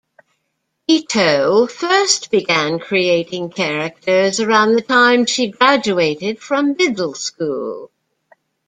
Ito first began creating characters around the time she graduated from middle school.